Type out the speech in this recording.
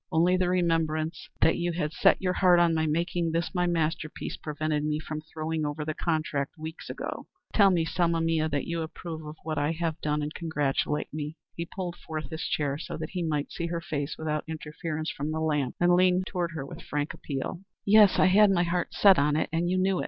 Only the remembrance that you had set your heart on my making this my masterpiece, prevented me from throwing over the contract weeks ago. Tell me, Selma mia, that you approve of what I have done and congratulate me." He pulled forward his chair so that he might see her face without interference from the lamp and leaned toward her with frank appeal. "Yes, I had set my heart on it, and you knew it.